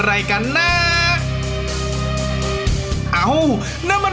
หมวกปีกดีกว่าหมวกปีกดีกว่า